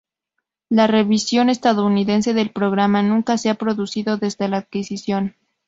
La versión estadounidense del programa nunca se ha producido desde la adquisición.